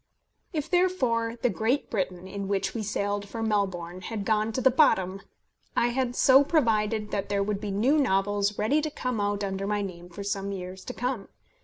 If therefore the Great Britain, in which we sailed for Melbourne, had gone to the bottom, I had so provided that there would be new novels ready to come out under my name for some years to come.